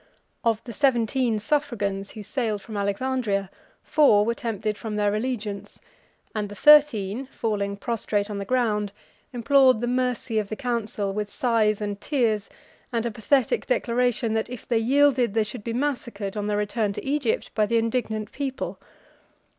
Of the seventeen suffragans who sailed from Alexandria, four were tempted from their allegiance, and the thirteen, falling prostrate on the ground, implored the mercy of the council, with sighs and tears, and a pathetic declaration, that, if they yielded, they should be massacred, on their return to Egypt, by the indignant people.